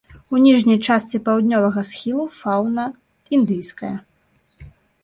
У ніжняй частцы паўднёвага схілу фаўна індыйская.